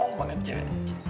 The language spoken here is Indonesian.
long banget janji